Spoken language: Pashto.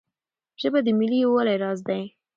ژبه د ملي یووالي راز دی.